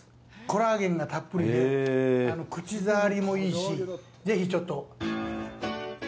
コラーゲンがたっぷりで、口触りもいいし、ぜひちょっと。